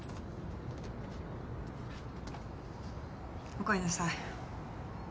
おかえりなさい。